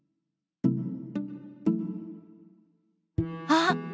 あっ！